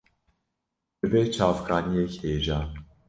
bibe çavkaniyek hêja